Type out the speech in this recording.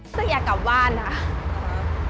รู้สึกอยากกลับบ้านค่ะ